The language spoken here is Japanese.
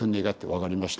「分かりました。